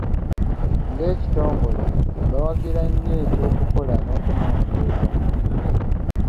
Ng’ekitongole, bawagira nnyo eky’okukola okunoonyereza.